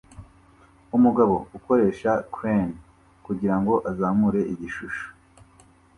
Umugabo ukoresha crane kugirango azamure igishusho